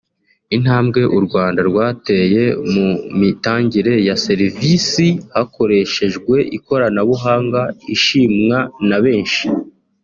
Intambwe u Rwanda rwateye mu mitangire ya serivisi hakoreshejwe ikoranabuhanga ishimwa na benshi